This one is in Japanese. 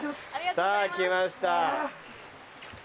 さぁ来ました。